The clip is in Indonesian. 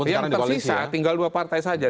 yang tersisa tinggal dua partai saja